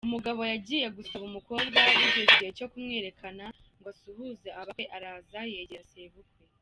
Umugabo yagiye gusaba umukobwa bigeze igihe cyo kumwerekana ngo asuhuze abakwe araza yegera sebukwe.